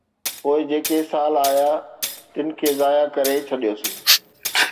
پوءِ جيڪي سال آيا، تن کي ضايع ڪري ڇڏيوسين.